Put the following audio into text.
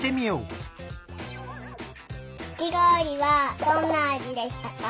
かきごおりはどんなあじでしたか？